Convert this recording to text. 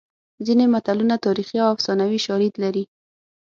ځینې متلونه تاریخي او افسانوي شالید لري